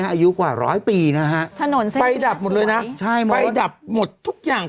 อายุกว่าร้อยปีนะฮะถนนสิไฟดับหมดเลยนะไฟดับหมดทุกอย่าง